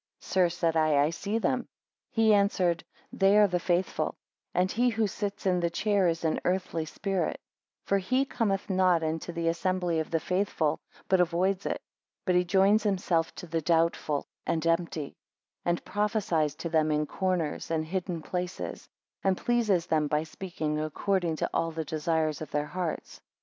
Sir, said I, I see them. He answered, They are the faithful; and he who sits in the chair is an earthly spirit. 2 For he cometh not into the assembly of the faithful, but avoids it. But he joins himself to the doubtful and empty; and prophesies to them in corners and hidden places; and pleases them by speaking according to all the desires of their hearts.